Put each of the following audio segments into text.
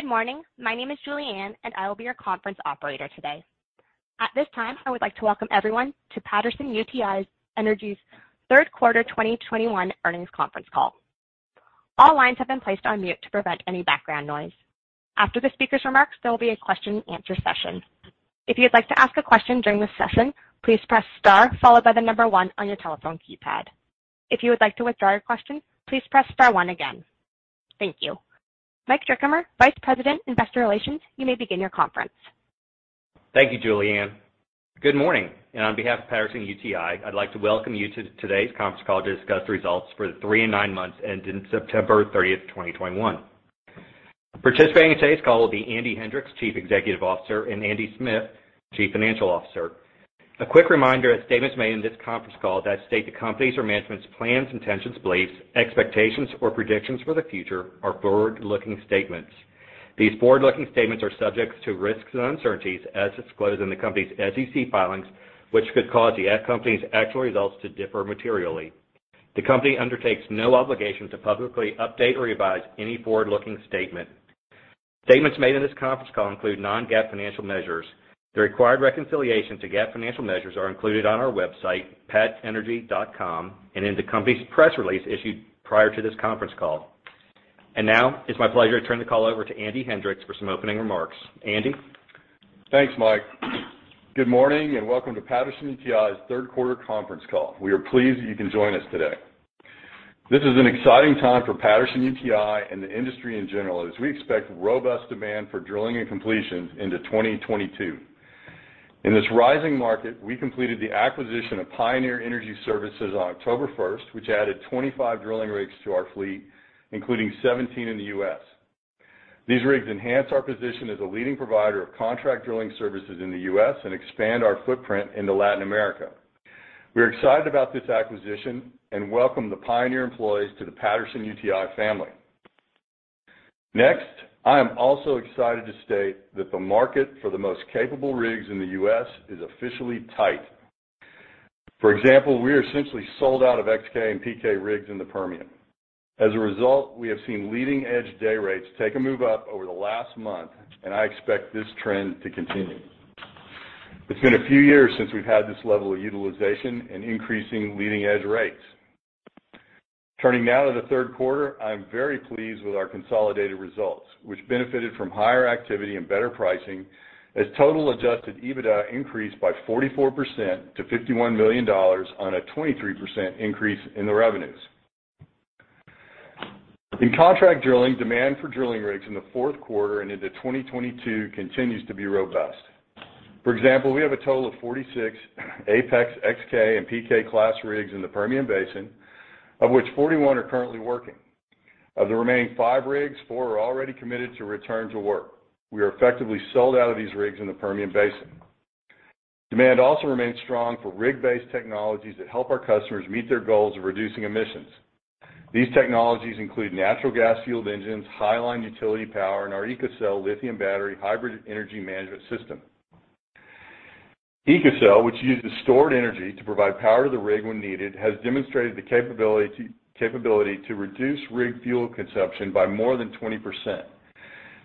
Good morning. My name is Julianne, and I will be your conference operator today. At this time, I would like to welcome everyone to Patterson-UTI Energy's third quarter 2021 earnings conference call. All lines have been placed on mute to prevent any background noise. After the speaker's remarks, there will be a question-and-answer session. If you'd like to ask a question during this session, please press star followed by the number one on your telephone keypad. If you would like to withdraw your question, please press star one again. Thank you. Mike Drickamer, Vice President, Investor Relations, you may begin your conference. Thank you, Julianne. Good morning, and on behalf of Patterson-UTI Energy, I'd like to welcome you to today's conference call to discuss the results for the 3 and 9 months ending September 30, 2021. Participating in today's call will be Andy Hendricks, Chief Executive Officer, and Andy Smith, Chief Financial Officer. A quick reminder that statements made in this conference call that state the Company's or management's plans, intentions, beliefs, expectations, or predictions for the future are forward-looking statements. These forward-looking statements are subject to risks and uncertainties as disclosed in the Company's SEC filings, which could cause the company's actual results to differ materially. The Company undertakes no obligation to publicly update or revise any forward-looking statement. Statements made in this conference call include non-GAAP financial measures. The required reconciliation to GAAP financial measures are included on our website, patenergy.com, and in the Company's press release issued prior to this conference call. Now, it's my pleasure to turn the call over to Andy Hendricks for some opening remarks. Andy? Thanks, Mike. Good morning, and welcome to Patterson-UTI's third quarter conference call. We are pleased that you can join us today. This is an exciting time for Patterson-UTI and the industry in general, as we expect robust demand for drilling and completions into 2022. In this rising market, we completed the acquisition of Pioneer Energy Services on October first, which added 25 drilling rigs to our fleet, including 17 in the U.S. These rigs enhance our position as a leading provider of contract drilling services in the U.S. and expand our footprint into Latin America. We're excited about this acquisition and welcome the Pioneer employees to the Patterson-UTI family. Next, I am also excited to state that the market for the most capable rigs in the U.S. is officially tight. For example, we are essentially sold out of XK and PK rigs in the Permian. As a result, we have seen leading-edge day rates take a move up over the last month, and I expect this trend to continue. It's been a few years since we've had this level of utilization and increasing leading-edge rates. Turning now to the third quarter, I'm very pleased with our consolidated results, which benefited from higher activity and better pricing as total adjusted EBITDA increased by 44% to $51 million on a 23% increase in the revenues. In contract drilling, demand for drilling rigs in the fourth quarter and into 2022 continues to be robust. For example, we have a total of 46 APEX XK and PK class rigs in the Permian Basin, of which 41 are currently working. Of the remaining 5 rigs, 4 are already committed to return to work. We are effectively sold out of these rigs in the Permian Basin. Demand also remains strong for rig-based technologies that help our customers meet their goals of reducing emissions. These technologies include natural gas-fueled engines, high-line utility power, and our EcoCell lithium battery hybrid energy management system. EcoCell, which uses stored energy to provide power to the rig when needed, has demonstrated the capability to reduce rig fuel consumption by more than 20%,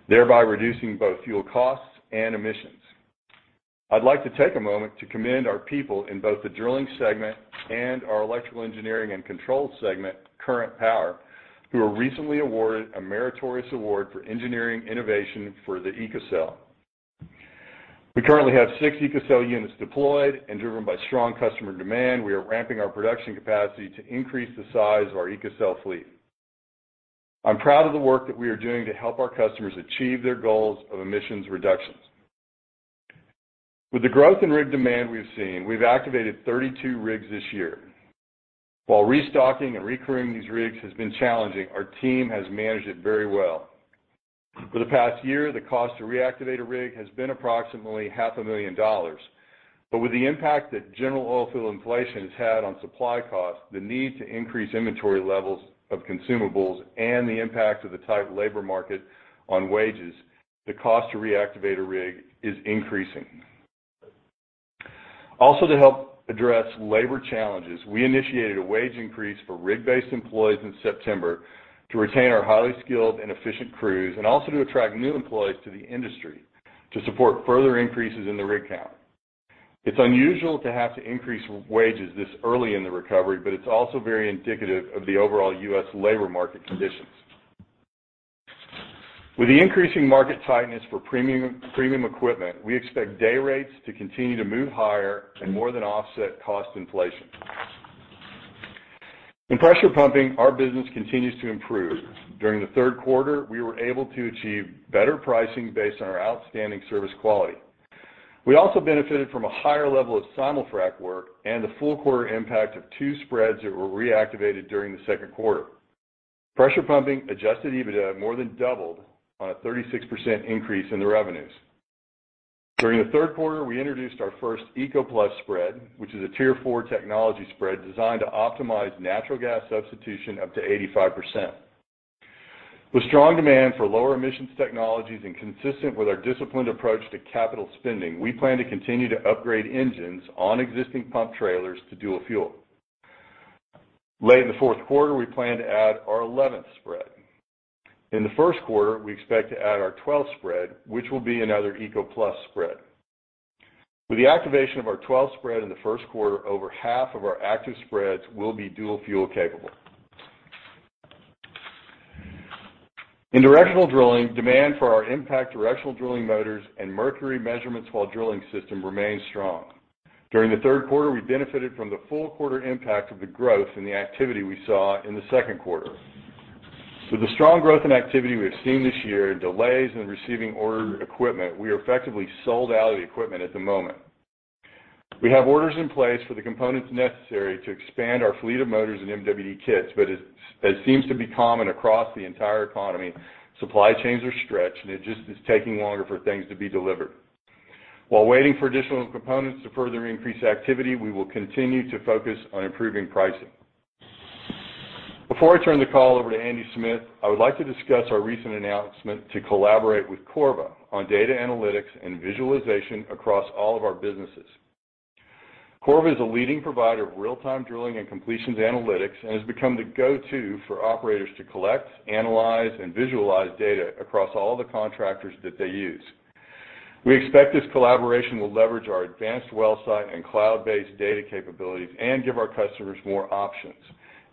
thereby reducing both fuel costs and emissions. I'd like to take a moment to commend our people in both the drilling segment and our electrical engineering and controls segment, Current Power, who were recently awarded a meritorious award for engineering innovation for the EcoCell. We currently have six EcoCell units deployed, and driven by strong customer demand, we are ramping our production capacity to increase the size of our EcoCell fleet. I'm proud of the work that we are doing to help our customers achieve their goals of emissions reductions. With the growth in rig demand we've seen, we've activated 32 rigs this year. While restocking and recrewing these rigs has been challenging, our team has managed it very well. For the past year, the cost to reactivate a rig has been approximately half a million dollars. With the impact that general oil field inflation has had on supply costs, the need to increase inventory levels of consumables and the impact of the tight labor market on wages, the cost to reactivate a rig is increasing. To help address labor challenges, we initiated a wage increase for rig-based employees in September to retain our highly skilled and efficient crews, and also to attract new employees to the industry to support further increases in the rig count. It's unusual to have to increase wages this early in the recovery, but it's also very indicative of the overall U.S. labor market conditions. With the increasing market tightness for premium equipment, we expect day rates to continue to move higher and more than offset cost inflation. In pressure pumping, our business continues to improve. During the third quarter, we were able to achieve better pricing based on our outstanding service quality. We also benefited from a higher level of simulfrac work and the full quarter impact of two spreads that were reactivated during the second quarter. Pressure pumping adjusted EBITDA more than doubled on a 36% increase in the revenues. During the third quarter, we introduced our first ECO+ spread, which is a Tier 4 technology spread designed to optimize natural gas substitution up to 85%. With strong demand for lower emissions technologies and consistent with our disciplined approach to capital spending, we plan to continue to upgrade engines on existing pump trailers to dual fuel. Late in the fourth quarter, we plan to add our 11th spread. In the first quarter, we expect to add our 12th spread, which will be another ECO+ spread. With the activation of our 12th spread in the first quarter, over half of our active spreads will be dual fuel capable. In directional drilling, demand for our Mpact directional drilling motors and Mercury measurement while drilling system remains strong. During the third quarter, we benefited from the full quarter impact of the growth and the activity we saw in the second quarter. With the strong growth and activity we have seen this year and delays in receiving ordered equipment, we are effectively sold out of the equipment at the moment. We have orders in place for the components necessary to expand our fleet of motors and MWD kits, but as seems to be common across the entire economy, supply chains are stretched, and it just is taking longer for things to be delivered. While waiting for additional components to further increase activity, we will continue to focus on improving pricing. Before I turn the call over to Andy Smith, I would like to discuss our recent announcement to collaborate with Corva on data analytics and visualization across all of our businesses. Corva is a leading provider of real-time drilling and completions analytics and has become the go-to for operators to collect, analyze, and visualize data across all the contractors that they use. We expect this collaboration will leverage our advanced well site and cloud-based data capabilities and give our customers more options,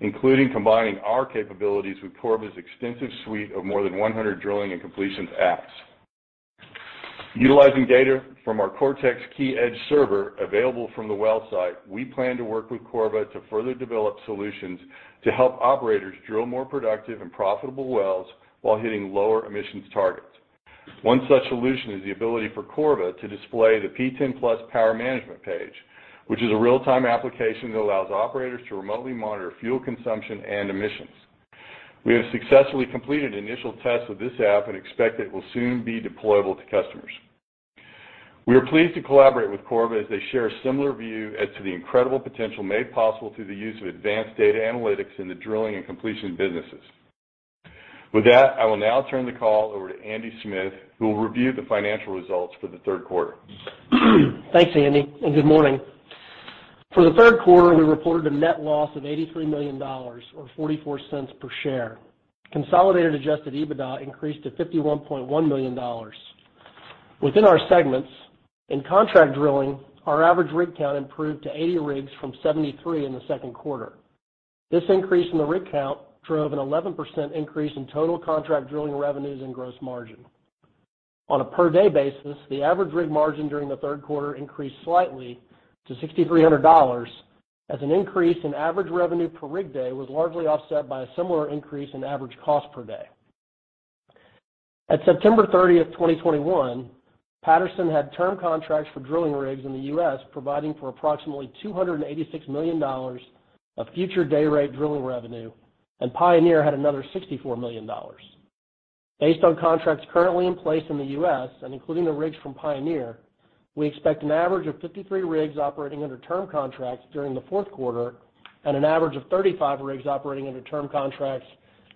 including combining our capabilities with Corva's extensive suite of more than 100 drilling and completions apps. Utilizing data from our CORTEX Key Edge server available from the well site, we plan to work with Corva to further develop solutions to help operators drill more productive and profitable wells while hitting lower emissions targets. One such solution is the ability for Corva to display the PTEN+ power management page, which is a real-time application that allows operators to remotely monitor fuel consumption and emissions. We have successfully completed initial tests with this app and expect it will soon be deployable to customers. We are pleased to collaborate with Corva as they share a similar view as to the incredible potential made possible through the use of advanced data analytics in the drilling and completion businesses. With that, I will now turn the call over to Andy Smith, who will review the financial results for the third quarter. Thanks, Andy, and good morning. For the third quarter, we reported a net loss of $83 million or 44 cents per share. Consolidated adjusted EBITDA increased to $51.1 million. Within our segments, in contract drilling, our average rig count improved to 80 rigs from 73 in the second quarter. This increase in the rig count drove an 11% increase in total contract drilling revenues and gross margin. On a per-day basis, the average rig margin during the third quarter increased slightly to $6,300 as an increase in average revenue per rig day was largely offset by a similar increase in average cost per day. At September 30, 2021, Patterson had term contracts for drilling rigs in the U.S., providing for approximately $286 million of future day rate drilling revenue, and Pioneer had another $64 million. Based on contracts currently in place in the U.S. and including the rigs from Pioneer, we expect an average of 53 rigs operating under term contracts during the fourth quarter and an average of 35 rigs operating under term contracts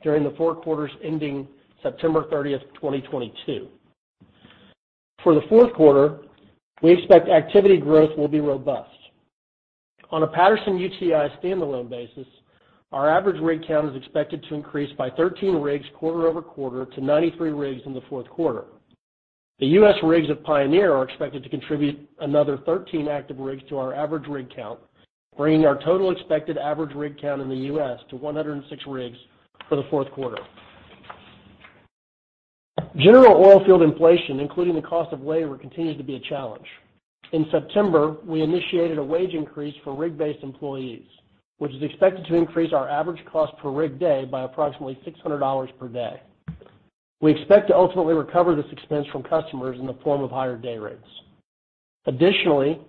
during the four quarters ending September 30, 2022. For the fourth quarter, we expect activity growth will be robust. On a Patterson-UTI standalone basis, our average rig count is expected to increase by 13 rigs quarter-over-quarter to 93 rigs in the fourth quarter. The U.S. rigs of Pioneer are expected to contribute another 13 active rigs to our average rig count, bringing our total expected average rig count in the U.S. to 106 rigs for the fourth quarter. General oilfield inflation, including the cost of labor, continues to be a challenge. In September, we initiated a wage increase for rig-based employees, which is expected to increase our average cost per rig day by approximately $600 per day. We expect to ultimately recover this expense from customers in the form of higher day rates. Additionally,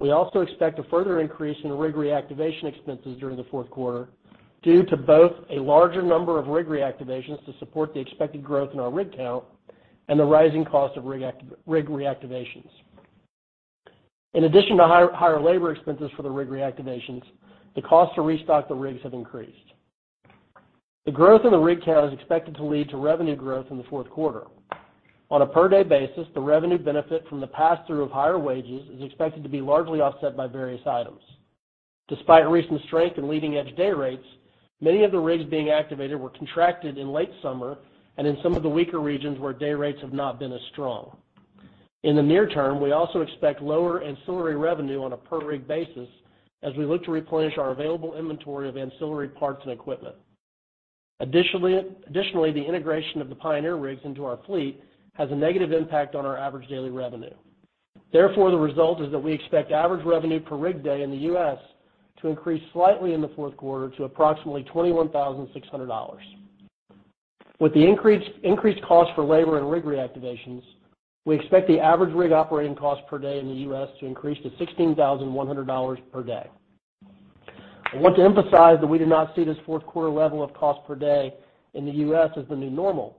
we also expect a further increase in rig reactivation expenses during the fourth quarter due to both a larger number of rig reactivations to support the expected growth in our rig count and the rising cost of rig reactivations. In addition to higher labor expenses for the rig reactivations, the cost to restock the rigs have increased. The growth in the rig count is expected to lead to revenue growth in the fourth quarter. On a per-day basis, the revenue benefit from the pass-through of higher wages is expected to be largely offset by various items. Despite recent strength in leading-edge day rates, many of the rigs being activated were contracted in late summer and in some of the weaker regions where day rates have not been as strong. In the near term, we also expect lower ancillary revenue on a per-rig basis as we look to replenish our available inventory of ancillary parts and equipment. Additionally, the integration of the Pioneer rigs into our fleet has a negative impact on our average daily revenue. Therefore, the result is that we expect average revenue per rig day in the U.S. to increase slightly in the fourth quarter to approximately $21,600. With the increased cost for labor and rig reactivations, we expect the average rig operating cost per day in the U.S. to increase to $16,100 per day. I want to emphasize that we do not see this fourth quarter level of cost per day in the U.S. as the new normal.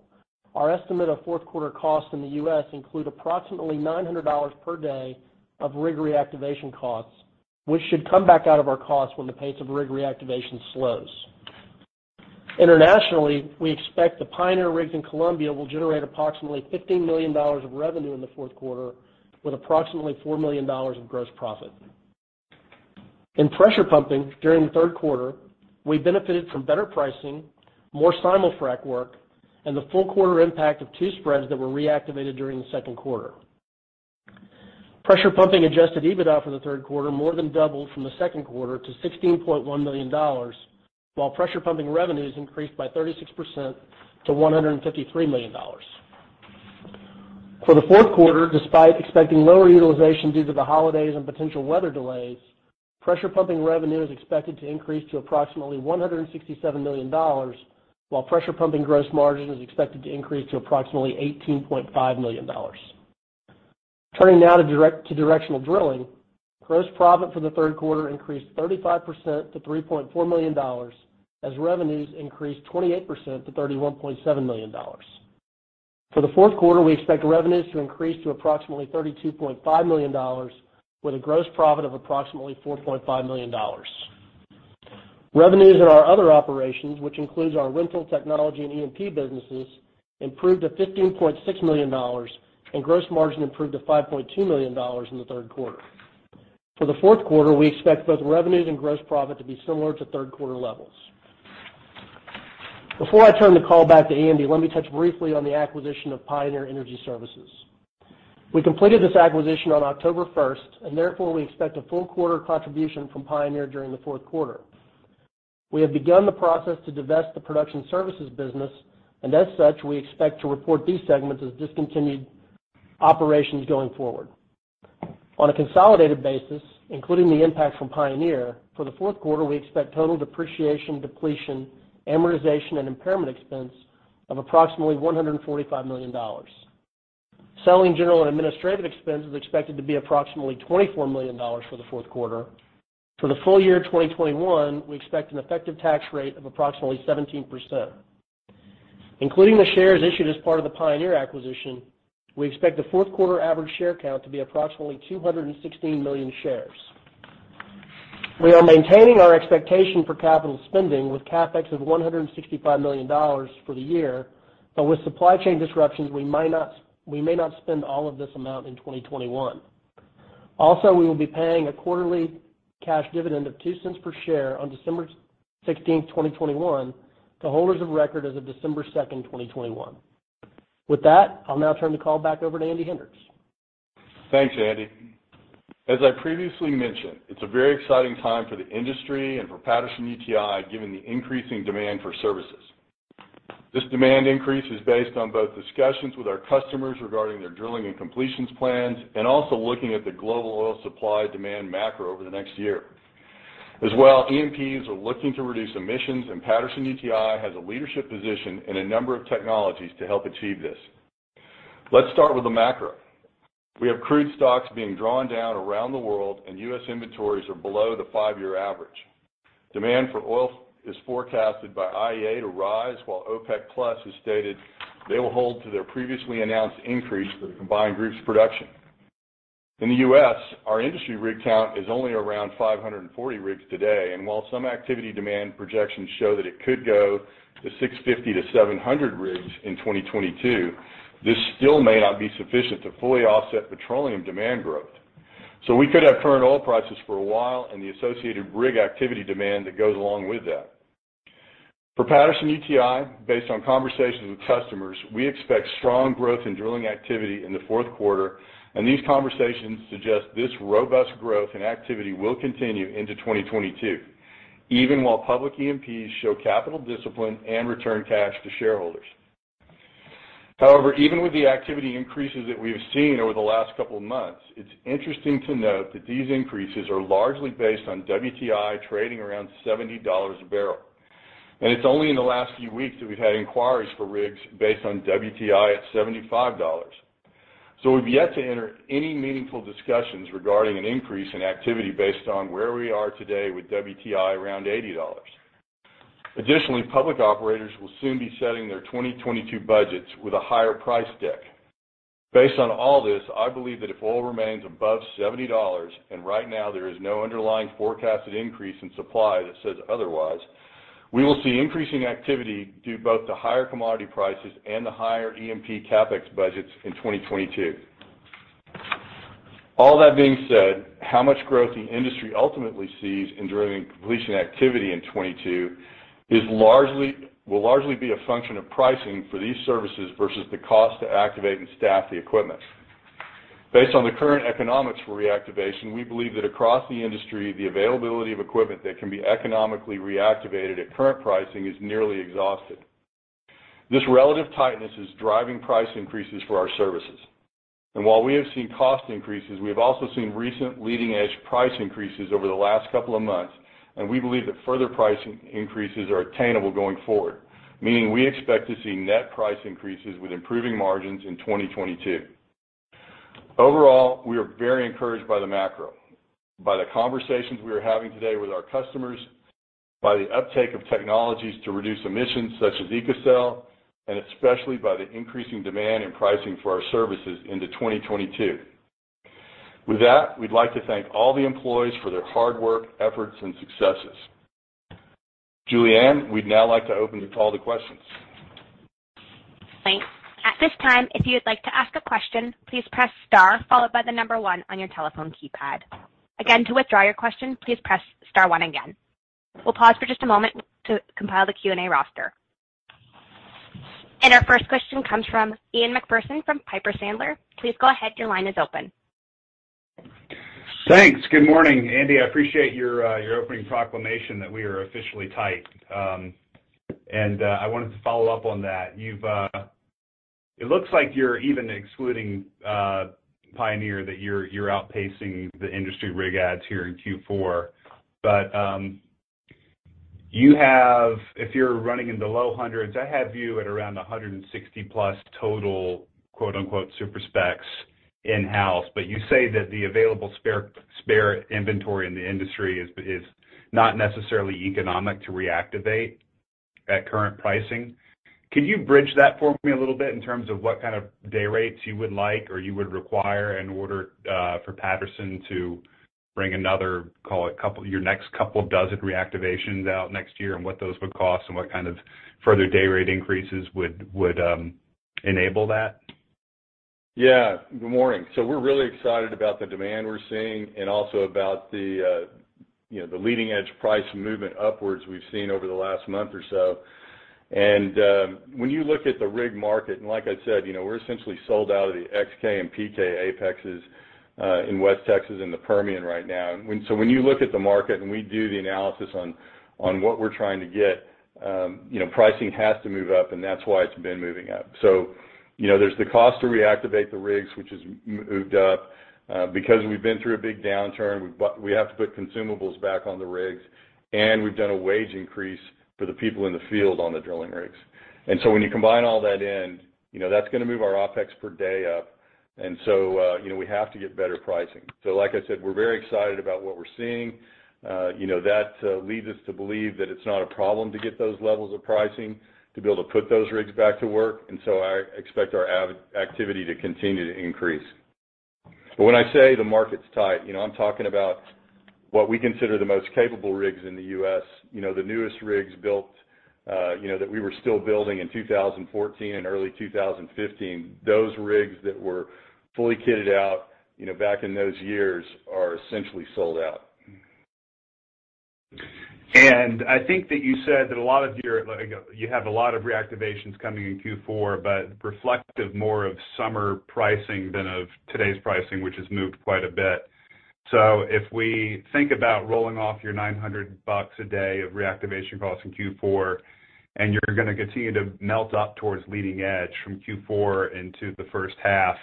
Our estimate of fourth quarter costs in the U.S. include approximately $900 per day of rig reactivation costs, which should come back out of our costs when the pace of rig reactivation slows. Internationally, we expect the Pioneer rigs in Colombia will generate approximately $15 million of revenue in the fourth quarter, with approximately $4 million in gross profit. In pressure pumping during the third quarter, we benefited from better pricing, more simulfrac work and the full quarter impact of two spreads that were reactivated during the second quarter. Pressure pumping adjusted EBITDA for the third quarter more than doubled from the second quarter to $16.1 million while pressure pumping revenues increased by 36% to $153 million. For the fourth quarter, despite expecting lower utilization due to the holidays and potential weather delays, pressure pumping revenue is expected to increase to approximately $167 million while pressure pumping gross margin is expected to increase to approximately $18.5 million. Turning now to directional drilling. Gross profit for the third quarter increased 35% to $3.4 million as revenues increased 28% to $31.7 million. For the fourth quarter, we expect revenues to increase to approximately $32.5 million with a gross profit of approximately $4.5 million. Revenues in our other operations, which includes our rental technology and E&P businesses, improved to $15.6 million and gross margin improved to $5.2 million in the third quarter. For the fourth quarter, we expect both revenues and gross profit to be similar to third quarter levels. Before I turn the call back to Andy, let me touch briefly on the acquisition of Pioneer Energy Services. We completed this acquisition on October 1, and therefore we expect a full quarter contribution from Pioneer during the fourth quarter. We have begun the process to divest the production services business and as such, we expect to report these segments as discontinued operations going forward. On a consolidated basis, including the impact from Pioneer, for the fourth quarter, we expect total depreciation, depletion, amortization and impairment expense of approximately $145 million. Selling, general, and administrative expense is expected to be approximately $24 million for the fourth quarter. For the full year 2021, we expect an effective tax rate of approximately 17%. Including the shares issued as part of the Pioneer acquisition, we expect the fourth quarter average share count to be approximately 216 million shares. We are maintaining our expectation for capital spending with CapEx of $165 million for the year, but with supply chain disruptions, we may not spend all of this amount in 2021. Also, we will be paying a quarterly cash dividend of $0.02 per share on December 16, 2021 to holders of record as of December 2, 2021. With that, I'll now turn the call back over to Andy Hendricks. Thanks, Andy. As I previously mentioned, it's a very exciting time for the industry and for Patterson-UTI, given the increasing demand for services. This demand increase is based on both discussions with our customers regarding their drilling and completions plans and also looking at the global oil supply demand macro over the next year. As well, E&Ps are looking to reduce emissions, and Patterson-UTI has a leadership position in a number of technologies to help achieve this. Let's start with the macro. We have crude stocks being drawn down around the world and U.S. inventories are below the five-year average. Demand for oil is forecasted by IEA to rise while OPEC+ has stated they will hold to their previously announced increase for the combined group's production. In the U.S., our industry rig count is only around 540 rigs today, and while some activity demand projections show that it could go to 650-700 rigs in 2022, this still may not be sufficient to fully offset petroleum demand growth. We could have current oil prices for a while and the associated rig activity demand that goes along with that. For Patterson-UTI, based on conversations with customers, we expect strong growth in drilling activity in the fourth quarter, and these conversations suggest this robust growth and activity will continue into 2022, even while public E&Ps show capital discipline and return cash to shareholders. However, even with the activity increases that we've seen over the last couple of months, it's interesting to note that these increases are largely based on WTI trading around $70 a barrel. It's only in the last few weeks that we've had inquiries for rigs based on WTI at $75. We've yet to enter any meaningful discussions regarding an increase in activity based on where we are today with WTI around $80. Additionally, public operators will soon be setting their 2022 budgets with a higher price deck. Based on all this, I believe that if oil remains above $70, and right now there is no underlying forecasted increase in supply that says otherwise, we will see increasing activity due both to higher commodity prices and the higher E&P CapEx budgets in 2022. All that being said, how much growth the industry ultimately sees in drilling and completion activity in 2022 will largely be a function of pricing for these services versus the cost to activate and staff the equipment. Based on the current economics for reactivation, we believe that across the industry, the availability of equipment that can be economically reactivated at current pricing is nearly exhausted. This relative tightness is driving price increases for our services. While we have seen cost increases, we have also seen recent leading-edge price increases over the last couple of months, and we believe that further price increases are attainable going forward, meaning we expect to see net price increases with improving margins in 2022. Overall, we are very encouraged by the macro, by the conversations we are having today with our customers, by the uptake of technologies to reduce emissions such as EcoCell, and especially by the increasing demand in pricing for our services into 2022. With that, we'd like to thank all the employees for their hard work, efforts, and successes. Julianne, we'd now like to open the call to questions. Thanks. At this time, if you'd like to ask a question, please press star followed by the number 1 on your telephone keypad. Again, to withdraw your question, please press star 1 again. We'll pause for just a moment to compile the Q&A roster. Our first question comes from Ian Macpherson from Piper Sandler. Please go ahead. Your line is open. Thanks. Good morning, Andy. I appreciate your opening proclamation that we are officially tight. I wanted to follow up on that. It looks like you're even excluding Pioneer that you're outpacing the industry rig adds here in Q4. If you're running in the low hundreds, I have you at around 160+ total quote-unquote super-specs in-house. You say that the available spare inventory in the industry is not necessarily economic to reactivate at current pricing. Can you bridge that for me a little bit in terms of what kind of day rates you would like or you would require in order for Patterson to bring another, call it a couple, your next couple of dozen reactivations out next year, and what those would cost and what kind of further day rate increases would enable that? Yeah. Good morning. We're really excited about the demand we're seeing and also about the leading-edge price movement upwards we've seen over the last month or so. When you look at the rig market, and like I said we're essentially sold out of the XK and PK apexes in West Texas and the Permian right now. When you look at the market and we do the analysis on what we're trying to get pricing has to move up, and that's why it's been moving up. There's the cost to reactivate the rigs, which has moved up, because we've been through a big downturn. We have to put consumables back on the rigs, and we've done a wage increase for the people in the field on the drilling rigs. When you combine all that in, you know, that's gonna move our OpEx per day up. We have to get better pricing. Like I said, we're very excited about what we're seeing. That leads us to believe that it's not a problem to get those levels of pricing to be able to put those rigs back to work. I expect our activity to continue to increase. When I say the market's tight I'm talking about what we consider the most capable rigs in the U.S. The newest rigs built that we were still building in 2014 and early 2015. Those rigs that were fully kitted out back in those years are essentially sold out. I think that you said that a lot of your—like, you have a lot of reactivations coming in Q4, but reflective more of summer pricing than of today's pricing, which has moved quite a bit. If we think about rolling off your $900 a day of reactivation costs in Q4, and you're gonna continue to melt up towards leading edge from Q4 into the first half,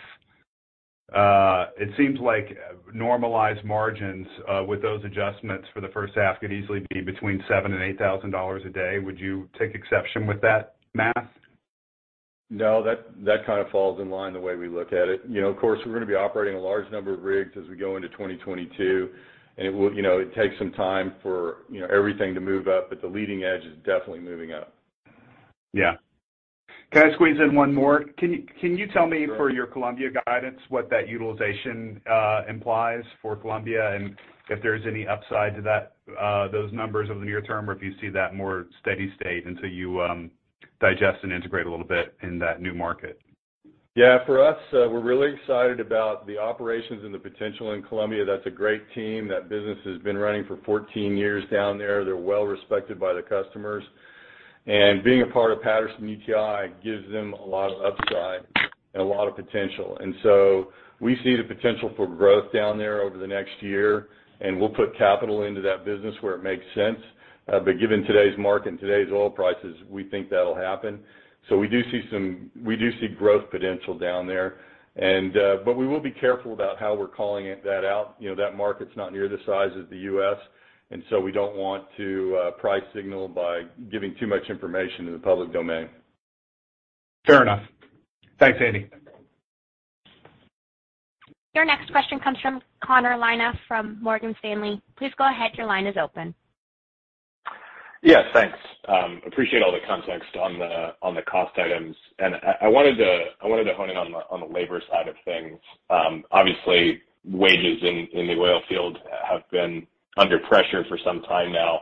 it seems like normalized margins with those adjustments for the first half could easily be between $7,000 and $8,000 a day. Would you take exception with that math? No. That kind of falls in line with the way we look at it. Of course, we're gonna be operating a large number of rigs as we go into 2022, and it will, you know, it takes some time for everything to move up, but the leading edge is definitely moving up. Yeah. Can I squeeze in one more? Can you tell me for your Colombia guidance, what that utilization implies for Colombia and if there's any upside to that, those numbers over the near term, or if you see that more steady state until you digest and integrate a little bit in that new market? Yeah. For us, we're really excited about the operations and the potential in Colombia. That's a great team. That business has been running for 14 years down there. They're well respected by the customers. Being a part of Patterson-UTI Energy gives them a lot of upside and a lot of potential. We see the potential for growth down there over the next year, and we'll put capital into that business where it makes sense. Given today's market and today's oil prices, we think that'll happen. We do see growth potential down there. We will be careful about how we're calling that out. That market's not near the size of the U.S., and so we don't want to price signal by giving too much information in the public domain. Fair enough. Thanks, Andy. Your next question comes from Connor Lynagh from Morgan Stanley. Please go ahead. Your line is open. Yes, thanks. Appreciate all the context on the cost items. I wanted to hone in on the labor side of things. Obviously, wages in the oil field have been under pressure for some time now.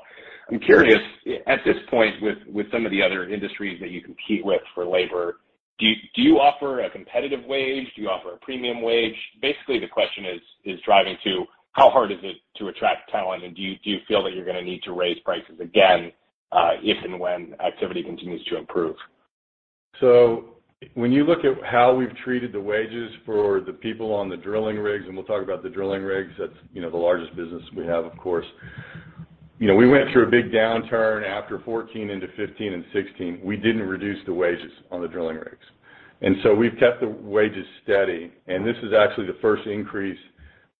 I'm curious, at this point with some of the other industries that you compete with for labor, do you offer a competitive wage? Do you offer a premium wage? Basically, the question is driving at how hard it is to attract talent, and do you feel that you're gonna need to raise prices again, if and when activity continues to improve? When you look at how we've treated the wages for the people on the drilling rigs, and we'll talk about the drilling rigs, that's the largest business we have, of course. We went through a big downturn after 2014 into 2015 and 2016. We didn't reduce the wages on the drilling rigs. We've kept the wages steady, and this is actually the first increase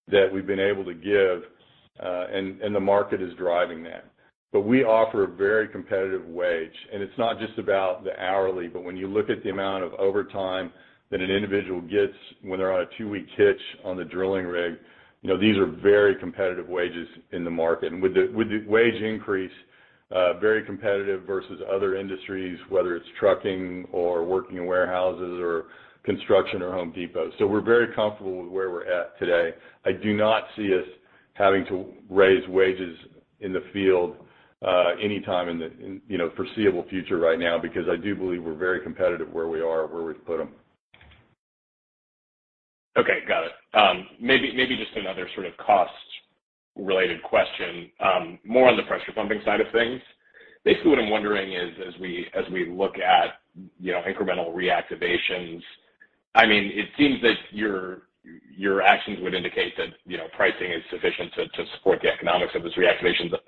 that we've been able to give, and the market is driving that. We offer a very competitive wage, and it's not just about the hourly, but when you look at the amount of overtime that an individual gets when they're on a two-week hitch on the drilling rig these are very competitive wages in the market. With the wage increase very competitive versus other industries, whether it's trucking or working in warehouses or construction or Home Depot. We're very comfortable with where we're at today. I do not see us having to raise wages in the field anytime in the you know foreseeable future right now because I do believe we're very competitive where we are, where we've put them. Okay. Got it. Maybe just another sort of cost-related question, more on the pressure pumping side of things. Basically, what I'm wondering is, as we look at incremental reactivations it seems that your actions would indicate that pricing is sufficient to support the economics of this reactivation. The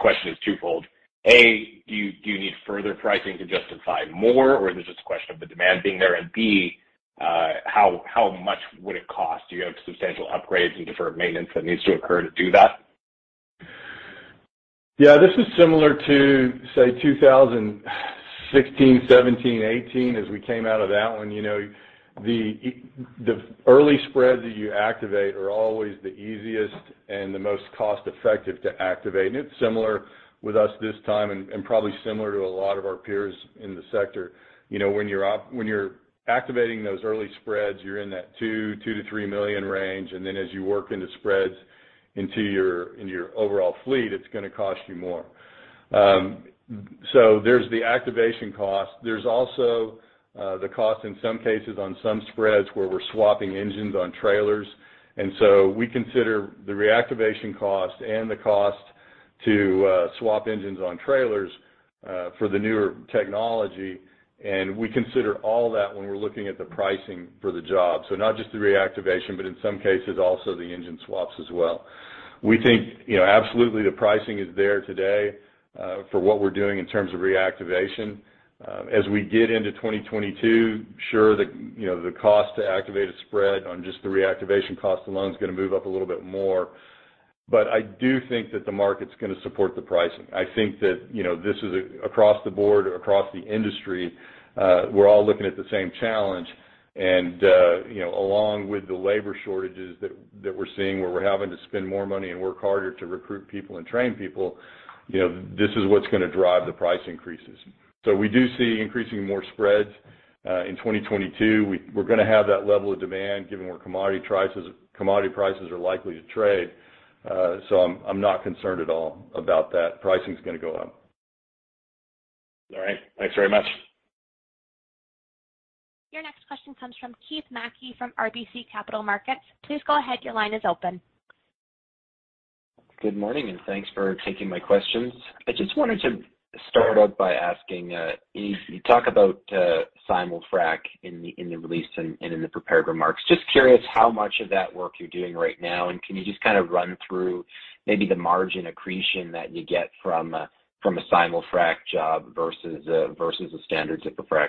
question is twofold: A, do you need further pricing to justify more, or is it just a question of the demand being there? And B, how much would it cost? Do you have substantial upgrades and deferred maintenance that needs to occur to do that? Yeah. This is similar to, say, 2016, 2017, 2018, as we came out of that one. The early spreads that you activate are always the easiest and the most cost-effective to activate. It's similar with us this time and probably similar to a lot of our peers in the sector. When you're activating those early spreads, you're in that $2 million-$3 million range, and then as you work into spreads into your overall fleet, it's gonna cost you more. There's the activation cost. There's also the cost in some cases on some spreads where we're swapping engines on trailers. We consider the reactivation cost and the cost to swap engines on trailers for the newer technology, and we consider all that when we're looking at the pricing for the job. Not just the reactivation, but in some cases, also the engine swaps as well. We think absolutely the pricing is there today for what we're doing in terms of reactivation. As we get into 2022, sure the cost to activate a spread on just the reactivation cost alone is gonna move up a little bit more. I do think that the market's gonna support the pricing. I think that this is across the board, across the industry, we're all looking at the same challenge. Along with the labor shortages that we're seeing, where we're having to spend more money and work harder to recruit people and train people this is what's gonna drive the price increases. We do see increasing more spreads in 2022. We're gonna have that level of demand given where commodity prices are likely to trade. I'm not concerned at all about that. Pricing's gonna go up. All right. Thanks very much. Your next question comes from Keith Mackey from RBC Capital Markets. Please go ahead. Your line is open. Good morning, and thanks for taking my questions. I just wanted to start out by asking, you talk about simulfrac in the release and in the prepared remarks. Just curious how much of that work you're doing right now, and can you just kind of run through maybe the margin accretion that you get from a simulfrac job versus a standard zipper frac?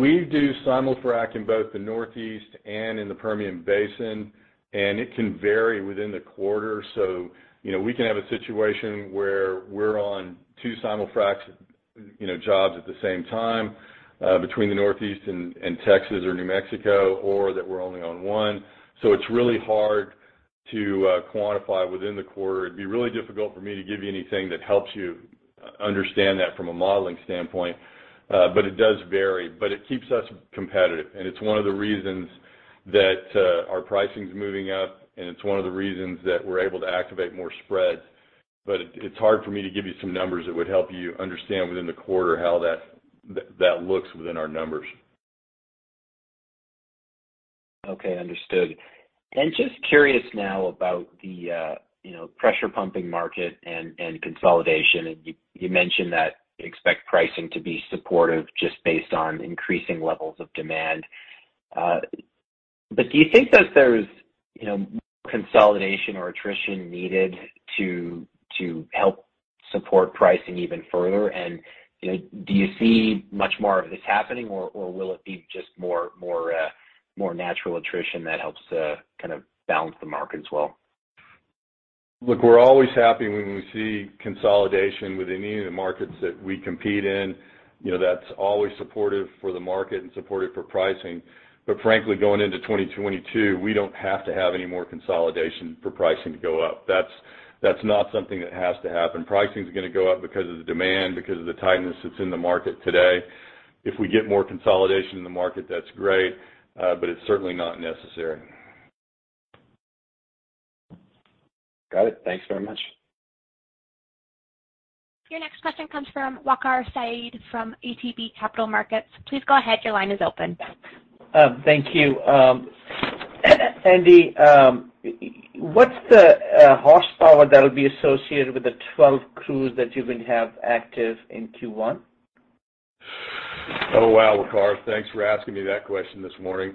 We do simulfrac in both the Northeast and in the Permian Basin, and it can vary within the quarter. We can have a situation where we're on two simulfracs jobs at the same time, between the Northeast and Texas or New Mexico, or that we're only on one. It's really hard to quantify within the quarter. It'd be really difficult for me to give you anything that helps you understand that from a modeling standpoint. It does vary, but it keeps us competitive. It's one of the reasons that our pricing's moving up, and it's one of the reasons that we're able to activate more spreads. It's hard for me to give you some numbers that would help you understand within the quarter how that looks within our numbers. Okay. Understood. Just curious now about the pressure pumping market and consolidation. You mentioned that you expect pricing to be supportive just based on increasing levels of demand. Do you think that there's consolidation or attrition needed to help support pricing even further? Do you see much more of this happening, or will it be just more natural attrition that helps to kind of balance the market as well? Look, we're always happy when we see consolidation within any of the markets that we compete in. That's always supportive for the market and supportive for pricing. Frankly, going into 2022, we don't have to have any more consolidation for pricing to go up. That's not something that has to happen. Pricing's gonna go up because of the demand, because of the tightness that's in the market today. If we get more consolidation in the market, that's great, but it's certainly not necessary. Got it. Thanks very much. Your next question comes from Waqar Syed from ATB Capital Markets. Please go ahead. Your line is open. Thank you. Andy, what's the horsepower that would be associated with the 12 crews that you're gonna have active in Q1? Oh, wow, Waqar. Thanks for asking me that question this morning.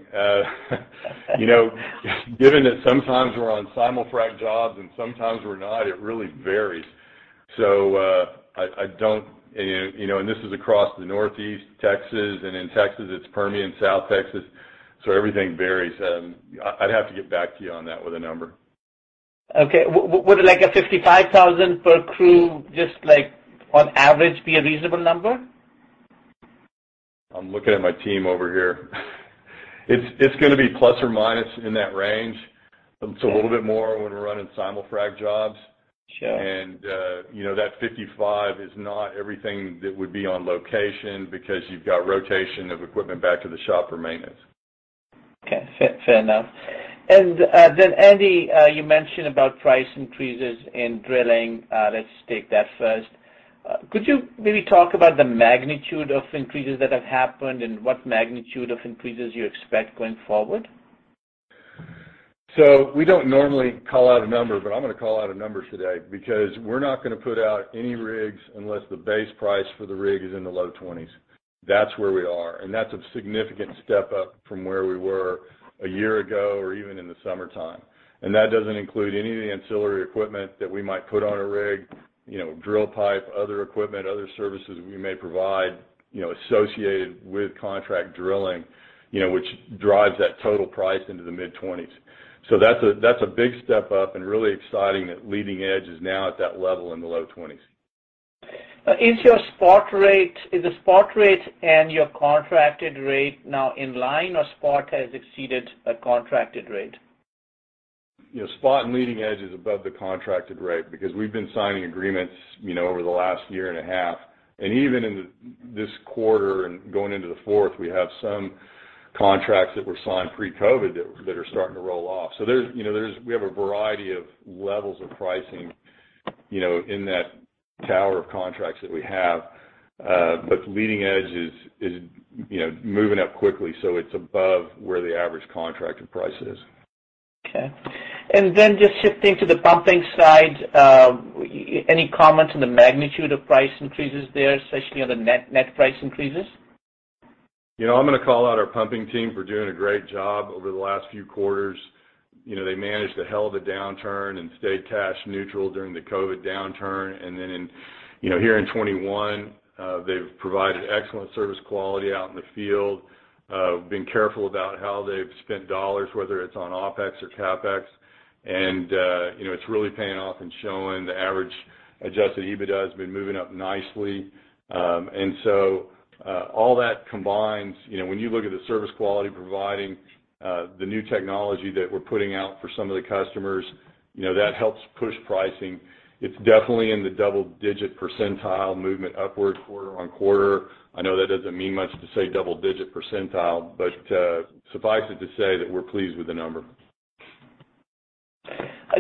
Given that sometimes we're on simulfrac jobs and sometimes we're not, it really varies. This is across the Northeast, Texas, and in Texas, it's Permian, South Texas, so everything varies. I'd have to get back to you on that with a number. Okay. Would a $55,000 per crew just like on average be a reasonable number? I'm looking at my team over here. It's gonna be plus or minus in that range. It's a little bit more when we're running simulfrac jobs. Sure. You know, that 55 is not everything that would be on location because you've got rotation of equipment back to the shop for maintenance. Okay. Fair enough. Andy, you mentioned about price increases in drilling. Let's take that first. Could you maybe talk about the magnitude of increases that have happened and what magnitude of increases you expect going forward? We don't normally call out a number, but I'm gonna call out a number today because we're not gonna put out any rigs unless the base price for the rig is in the low 20s. That's where we are, and that's a significant step up from where we were a year ago or even in the summertime. That doesn't include any of the ancillary equipment that we might put on a rig drill pipe, other equipment, other services we may provide associated with contract drilling which drives that total price into the mid-20s. That's a big step up and really exciting that leading edge is now at that level in the low 20s. Is the spot rate and your contracted rate now in line or spot has exceeded the contracted rate? Spot and leading edge is above the contracted rate because we've been signing agreements over the last year and a half. Even in this quarter and going into the fourth, we have some contracts that were signed pre-COVID that are starting to roll off. There's we have a variety of levels of pricing, in that tower of contracts that we have. Leading edge is moving up quickly, so it's above where the average contracted price is. Okay. Just shifting to the pumping side, any comments on the magnitude of price increases there, especially on the net price increases? I'm gonna call out our pumping team for doing a great job over the last few quarters. They managed through a hell of a downturn and stayed cash neutral during the COVID downturn. Then here in 2021, they've provided excellent service quality out in the field, been careful about how they've spent dollars, whether it's on OpEx or CapEx. It's really paying off and showing the average adjusted EBITDA has been moving up nicely. All that combines when you look at the service quality providing, the new technology that we're putting out for some of the customers, you know, that helps push pricing. It's definitely in the double-digit percentage movement upward quarter-over-quarter. I know that doesn't mean much to say double digit percentile, but suffice it to say that we're pleased with the number.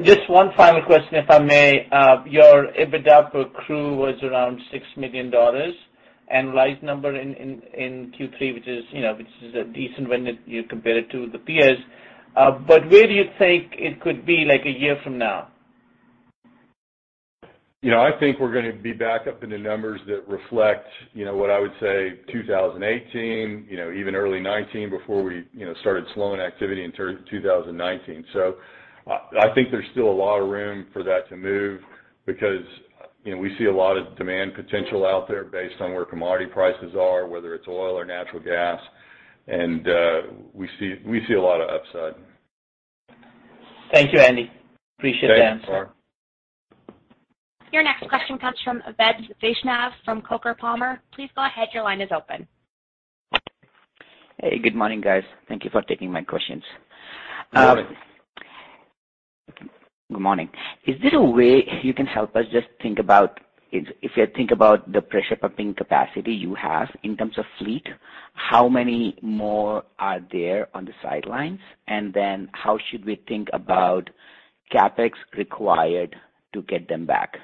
Just one final question, if I may. Your EBITDA per crew was around $6 million, annualized number in Q3, which is a decent when you compare it to the peers. Where do you think it could be like a year from now? We're gonna be back up in the numbers that reflect what I would say 2018 even early 2019 before we started slowing activity in 2019. There's still a lot of room for that to move because we see a lot of demand potential out there based on where commodity prices are, whether it's oil or natural gas, and we see a lot of upside. Thank you, Andy. I appreciate the answer. Thanks, Waqar. Your next question comes from Vaibhav Vaishnav from Coker & Palmer. Please go ahead, your line is open. Hey, good morning, guys. Thank you for taking my questions. Good morning. Good morning. Is there a way you can help us just think about if you think about the pressure pumping capacity you have in terms of fleet, how many more are there on the sidelines? How should we think about CapEx required to get them back?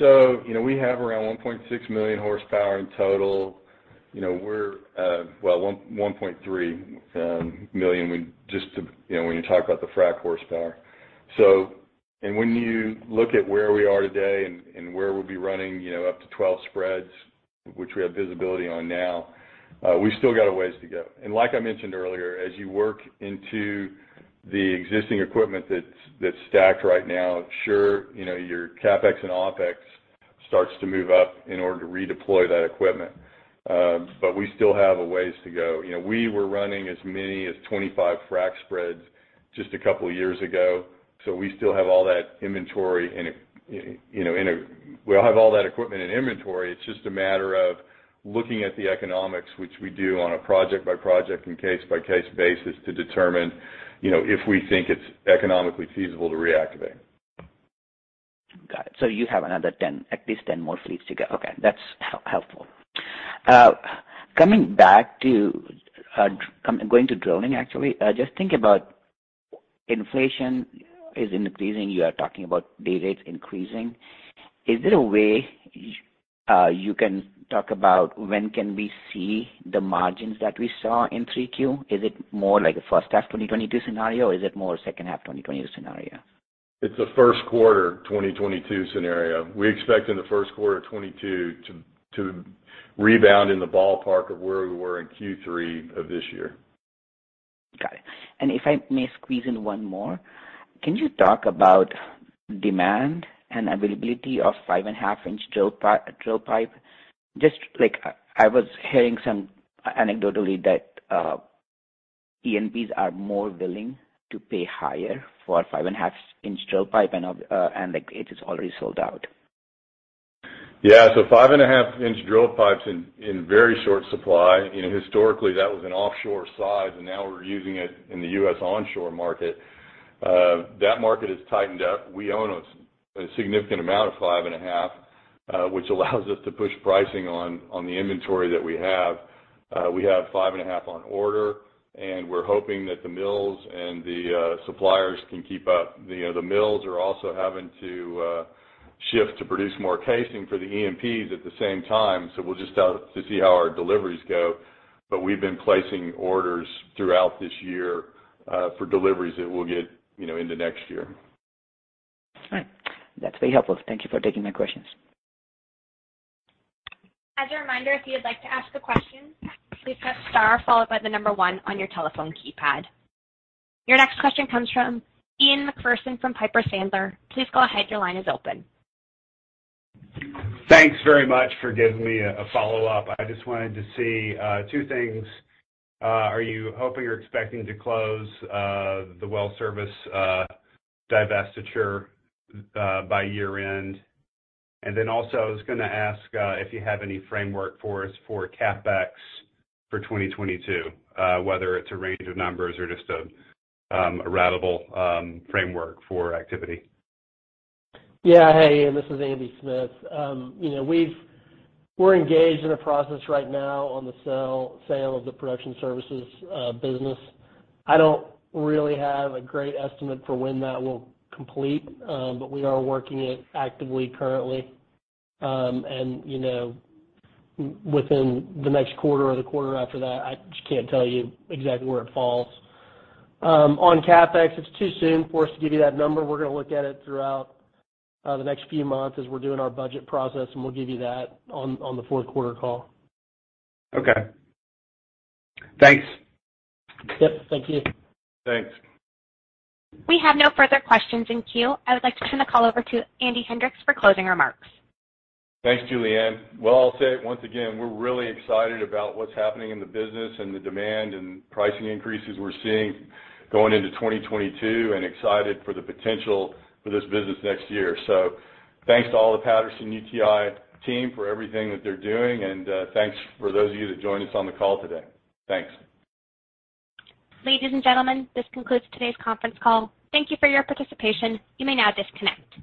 We have around 1.6 million horsepower in total. We're 1.3 million, when you talk about the frac horsepower. When you look at where we are today and where we'll be running up to 12 spreads, which we have visibility on now, we still got a ways to go. Like I mentioned earlier, as you work into the existing equipment that's stacked right now, sure, you know, our CapEx and OpEx starts to move up in order to redeploy that equipment. But we still have a ways to go. We were running as many as 25 frac spreads just a couple of years ago, so we still have all that inventory. We'll have all that equipment in inventory. It's just a matter of looking at the economics, which we do on a project-by-project and case-by-case basis to determine if we think it's economically feasible to reactivate. Got it. You have another 10, at least 10 more fleets to go. Okay, that's helpful. Coming back to going to drilling, actually. Just think about inflation is increasing. You are talking about day rates increasing. Is there a way you can talk about when can we see the margins that we saw in 3Q? Is it more like a first half of 2022 scenario, or is it more second half of 2022 scenario? It's a first quarter of 2022 scenario. We expect in the first quarter of 2022 to rebound in the ballpark of where we were in Q3 of this year. Got it. If I may squeeze in one more. Can you talk about demand and availability of 5.5-inch drill pipe? Just like I was hearing some anecdotally that E&Ps are more willing to pay higher for 5.5-inch drill pipe and like it is already sold out. Yeah. Five and a half inch drill pipe's in very short supply. You know, historically, that was an offshore size, and now we're using it in the U.S. onshore market. That market has tightened up. We own a significant amount of five and a half, which allows us to push pricing on the inventory that we have. We have five and a half on order, and we're hoping that the mills and the suppliers can keep up. The mills are also having to shift to produce more casing for the E&Ps at the same time, so we'll just have to see how our deliveries go. We've been placing orders throughout this year for deliveries that we'll get into next year. All right. That's very helpful. Thank you for taking my questions. As a reminder, if you'd like to ask a question, please press star followed by 1 on your telephone keypad. Your next question comes from Ian MacPherson from Piper Sandler. Please go ahead. Your line is open. Thanks very much for giving me a follow-up. I just wanted to say two things. Are you expecting to close the well service divestiture by year end? I was gonna ask if you have any framework for us for CapEx for 2022, whether it's a range of numbers or just a ratable framework for activity. Yeah. Hey, Ian, this is Andy Smith. We're engaged in a process right now on the sale of the production services business. I don't really have a great estimate for when that will complete, but we are working it actively currently. Within the next quarter or the quarter after that, I just can't tell you exactly where it falls. On CapEx, it's too soon for us to give you that number. We're gonna look at it throughout the next few months as we're doing our budget process, and we'll give you that on the fourth quarter call. Okay. Thanks. Yep. Thank you. Thanks. We have no further questions in queue. I would like to turn the call over to Andy Hendricks for closing remarks. Thanks, Julianne. Well, I'll say it once again, we're really excited about what's happening in the business and the demand and pricing increases we're seeing going into 2022 and excited for the potential for this business next year. Thanks to all the Patterson-UTI Energy team for everything that they're doing. Thanks for those of you that joined us on the call today. Thanks. Ladies and gentlemen, this concludes today's conference call. Thank you for your participation. You may now disconnect.